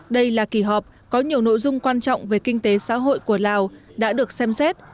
đây là kỳ họp có nhiều nội dung quan trọng về kinh tế xã hội của lào đã được xem xét